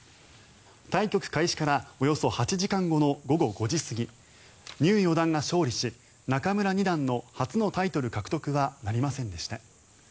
対局開始からおよそ８時間後の午後５時過ぎ牛四段が勝利し仲邑二段の初のタイトル獲得はなりませんでした。